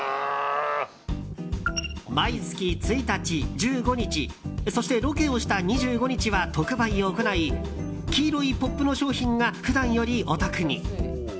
毎月１日、１５日そしてロケをした２５日は特売を行い黄色いポップの商品が普段よりお得に。